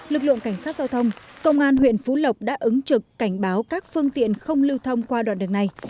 lực lượng cảnh sát giao thông công an huyện phú lộc đã ứng trực cảnh báo các phương tiện không lưu thông qua đoạn đường này